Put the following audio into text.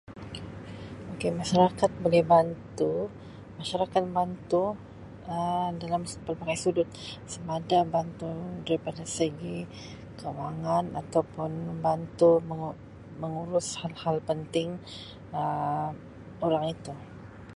Okay, masyarakat boleh bantu, masyarakat membantu Um dalam pelbagai sudut sama ada bantu daripada segi kewangan atau pun membantu mengurus hal-hal penting Um orang itu.